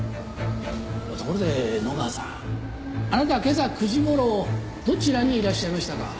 ところで野川さんあなたは今朝９時頃どちらにいらっしゃいましたか？